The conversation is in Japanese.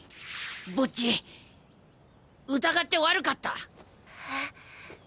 ボッジ疑って悪かった。